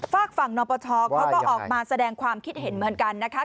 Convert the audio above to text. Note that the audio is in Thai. ฝากฝั่งนปชเขาก็ออกมาแสดงความคิดเห็นเหมือนกันนะคะ